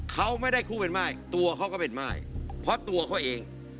เขาไม่ได้คู่เป็นม่ายตัวเขาก็เป็นม่ายเพราะตัวเขาเอง